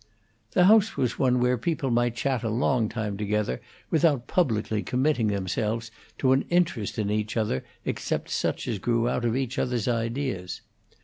The house was one where people might chat a long time together without publicly committing themselves to an interest in each other except such as grew out of each other's ideas.